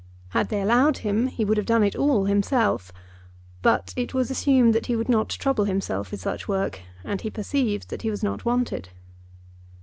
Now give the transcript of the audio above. Had they allowed him he would have done it all himself. But it was assumed that he would not trouble himself with such work, and he perceived that he was not wanted.